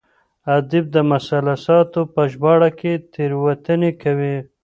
ادیب د مثلثاتو په ژباړه کې تېروتنې کوي.